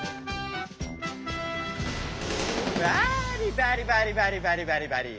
バリバリバリバリバリ。